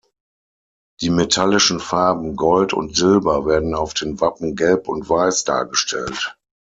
Die metallischen Farben „gold“ und „silber“ werden auf den Wappen gelb und weiß dargestellt.